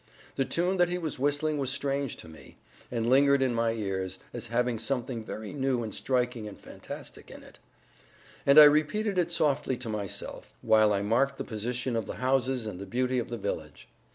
The tune that he whistled was strange to me, and lingered in my ears, as having something very new and striking and fantastic in it. And I repeated it softly to myself, while I marked the position of the houses and the beauty of the village.